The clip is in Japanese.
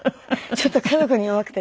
ちょっと家族に弱くて。